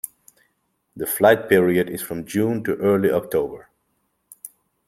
The flight period is from June to early October.